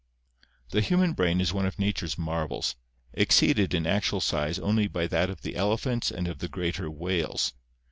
The human brain is one of nature's marvels, exceeded in actual size only by that of the elephants and of the greater whales.